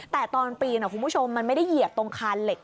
แต่ตอนปีนคุณผู้ชมมันไม่ได้เหยียบตรงคานเหล็ก